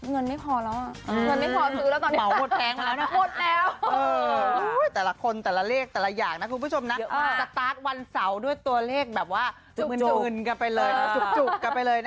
เงินไม่พอแล้วอ่ะเงินไม่พอซื้อแล้วตอนนี้เหมาหมดแพงมาแล้วนะหมดแล้ว